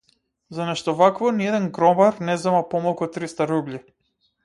За нешто вакво ниеден гробар не зема помалку од триста рубљи.